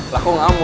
lah kok gak mau